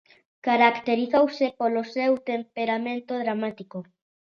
Caracterizouse polo seu temperamento dramático.